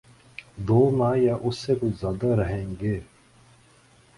دو ماہ یا اس سے کچھ زیادہ رہیں گے۔